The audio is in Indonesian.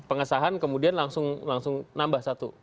pengesahan kemudian langsung nambah satu